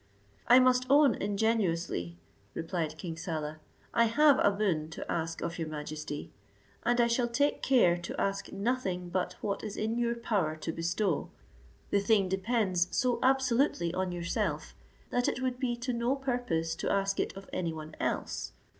"I must own ingenuously," replied King Saleh, "I have a boon to ask of your majesty; and I shall take care to ask nothing but what is in your power to bestow. The thing depends so absolutely on yourself, that it would be to no purpose to ask it of any one else.